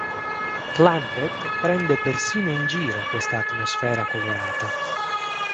Clampett prende persino in giro questa atmosfera colorata.